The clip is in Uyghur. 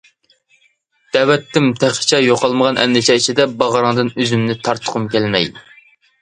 دەۋەتتىم تېخىچە يوقالمىغان ئەندىشە ئىچىدە باغرىڭدىن ئۆزۈمنى تارتقۇم كەلمەي.